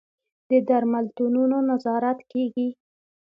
د درملتونونو نظارت کیږي؟